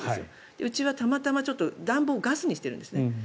うちはたまたま暖房をガスにしているんです。